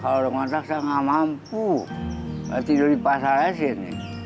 kalau udah ngontak saya nggak mampu tidur di pasar asin